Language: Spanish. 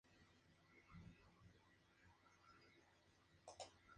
En la casa de al-Ghazi, Fleury y Haytham conocen a su familia.